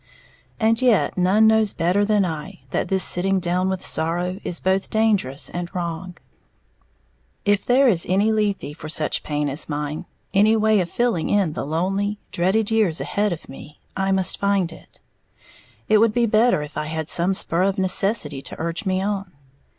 And yet none knows better than I that this sitting down with sorrow is both dangerous and wrong; if there is any Lethe for such pain as mine, any way of filling in the lonely, dreaded years ahead of me, I must find it. It would be better if I had some spur of necessity to urge me on.